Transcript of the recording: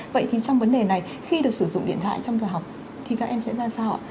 vậy thì trong vấn đề này khi được sử dụng điện thoại trong giờ học thì các em sẽ ra sao ạ